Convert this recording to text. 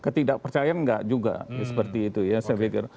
ketidakpercayaan enggak juga seperti itu ya saya pikir